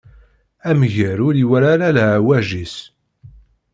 Amger ur iwala ara leɛwej-is.